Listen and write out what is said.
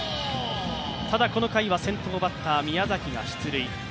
この回は、先頭バッター・宮崎が出塁。